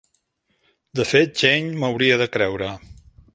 De fet, Jane, m'hauria de creure.